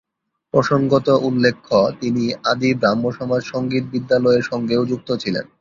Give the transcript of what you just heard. প্রসঙ্গত উল্লেখ্য, তিনি আদি ব্রাহ্মসমাজ সঙ্গীত বিদ্যালয়ের সঙ্গেও যুক্ত ছিলেন।